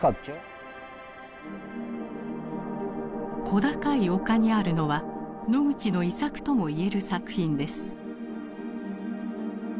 小高い丘にあるのはノグチの遺作とも言える作品です。